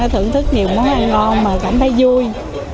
thưởng thức nhiều món ăn ngon mà cảm thấy vui